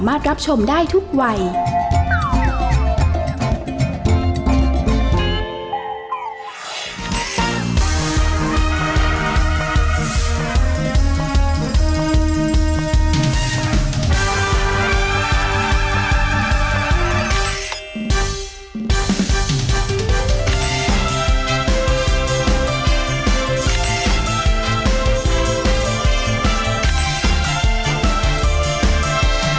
อำสักวันใจพูดสวัสดิ์แคะ